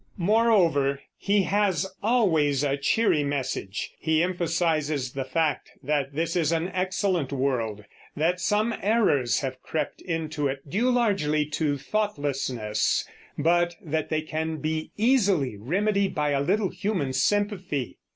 Moreover, he has always a cheery message. He emphasizes the fact that this is an excellant world; that some errors have crept into it, due largely to thoughtlessness, but that they can be easily remedied by a little human sympathy.